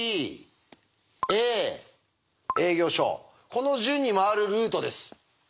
この順に回るルートです。